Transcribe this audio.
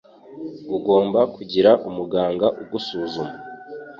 Ugomba kugira umuganga agusuzuma.